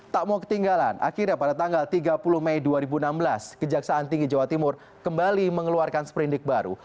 tak mau ketinggalan akhirnya pada tanggal tiga puluh mei dua ribu enam belas kejaksaan tinggi jawa timur kembali mengeluarkan seperindik baru